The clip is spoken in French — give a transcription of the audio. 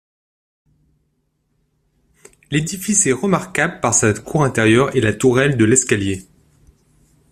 L’édifice est remarquable par sa cour intérieure et la tourelle de l’escalier.